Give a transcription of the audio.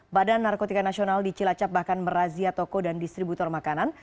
badan narkotika nasional di cilacap bahkan merazia toko dan distributor makanan